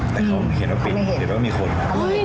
แต่เขาเห็นว่าเป็นเห็นว่ามีคนมา